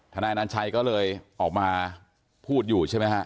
นายอนัญชัยก็เลยออกมาพูดอยู่ใช่ไหมฮะ